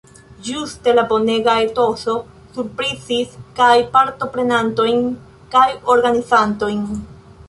Ĝuste la bonega etoso surprizis kaj partoprenantojn kaj organizantojn.